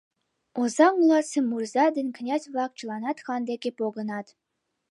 ...Озаҥ оласе мурза ден князь-влак чыланат хан деке погынат.